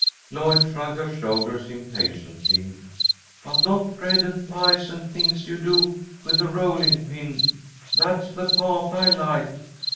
Lloyd shrugged her shoulders impatiently. "But not bread and pies and things you do with a rolling pin. That's the pah't I like."